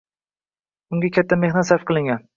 Unga katta mehnat sarflangan.